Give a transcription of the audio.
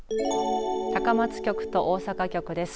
高松局と大阪局です。